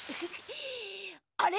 あれ？